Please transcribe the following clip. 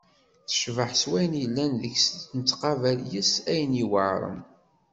Tecbeḥ s wayen yellan deg-s, nettqabel yes-s ayen yuɛren.